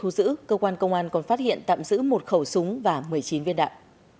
hiện cơ quan công an còn phát hiện tạm giữ một khẩu súng và một mươi chín viên đạn